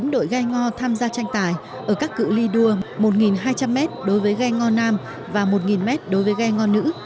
năm mươi chín đội ghe ngo tham gia tranh tài ở các cựu ly đua một hai trăm linh m đối với ghe ngo nam và một m đối với ghe ngo nữ